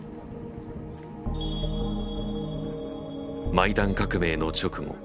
マイダン革命の直後